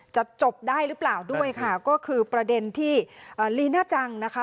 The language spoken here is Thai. จบได้หรือเปล่าด้วยค่ะก็คือประเด็นที่ลีน่าจังนะคะ